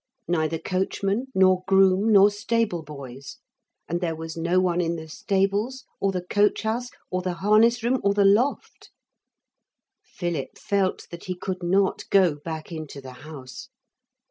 Neither coachman nor groom nor stable boys. And there was no one in the stables, or the coach house, or the harness room, or the loft. Philip felt that he could not go back into the house.